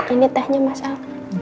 ini tehnya mas al